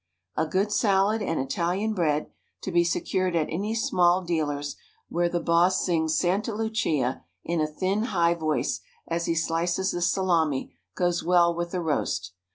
A good salad and Italian bread, to be secured at any small dealer's where the boss sings Santa Lucia in a thin high voice as he slices the salami, goes well with the roast.